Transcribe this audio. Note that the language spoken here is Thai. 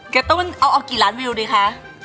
กระตุ้นเอากี่ล้านวิวดีคะ